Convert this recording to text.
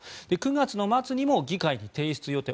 ９月末にも議会に提出予定。